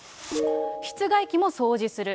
室外機も掃除する。